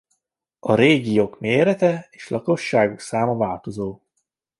A régiók mérete és lakosságuk száma változó.